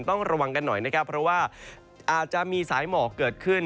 ต้องระวังกันหน่อยนะครับเพราะว่าอาจจะมีสายหมอกเกิดขึ้น